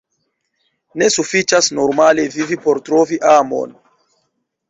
Ne sufiĉas normale vivi por trovi amon.